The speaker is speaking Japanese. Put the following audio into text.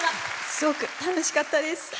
すごく楽しかったです。